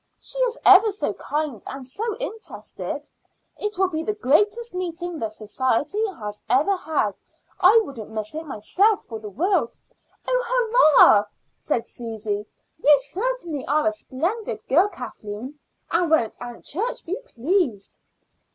She is ever so kind, and so interested. It will be the greatest meeting the society has ever had; I wouldn't miss it myself for the world." "Oh, hurrah!" said Susy. "You certainly are a splendid girl, Kathleen. And won't Aunt Church be pleased?"